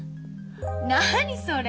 何それ。